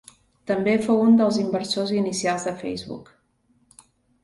També fou un dels inversors inicials de Facebook.